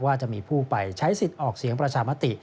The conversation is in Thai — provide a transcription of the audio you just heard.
ว่าจะมีผู้ไปใช้สิทธิ์ออกเสียงประชามติ